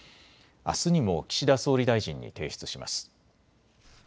あすにも岸田総理大臣に提出します。